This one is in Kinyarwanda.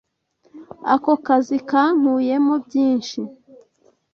Ako kazi kankuyemo byinshi.